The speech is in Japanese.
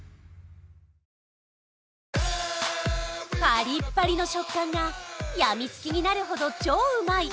パリッパリの食感がやみつきになるほど超うまい